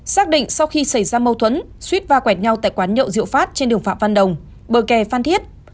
xác định sau khi xảy ra mâu thuẫn suýt va quẹt nhau tại quán nhậu diệu phát trên đường phạm văn đồng bờ kè phan thiết